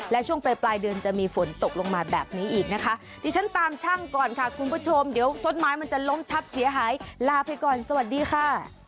ลาไปก่อนสวัสดีค่ะ